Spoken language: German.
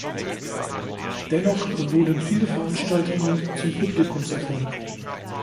Dennoch wurden viele Veranstaltungen zum Publikumserfolg.